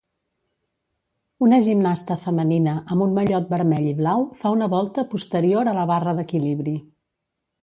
Una gimnasta femenina amb un mallot vermell i blau fa una volta posterior a la barra d'equilibri.